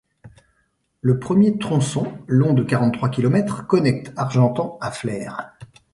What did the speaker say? Le premier tronçon, long de quarante-trois kilomètres, connecte Argentan à Flers.